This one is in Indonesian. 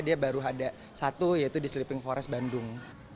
dia baru ada satu yaitu di sleeping forest bandung